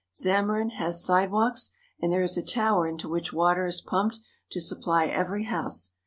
Zammarin has sidewalks, and there is a tower into which water is pumped to supply every house.